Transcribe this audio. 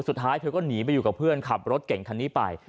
สุดท้ายเธอก็หนีไปอยู่กับเพื่อนขับรถเก่งคันนี้ไป